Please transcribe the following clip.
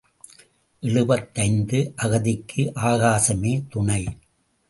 எழுபத்தைந்து அகதிக்கு ஆகாசமே துணை.